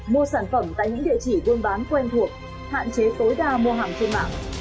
mua sản phẩm tại những địa chỉ buôn bán quen thuộc hạn chế tối đa mua hàng trên mạng